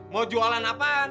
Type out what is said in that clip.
mau jualan apaan